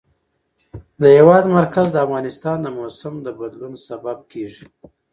د هېواد مرکز د افغانستان د موسم د بدلون سبب کېږي.